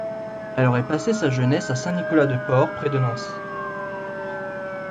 Elle aurait passé sa jeunesse à Saint-Nicolas-de-Port près de Nancy.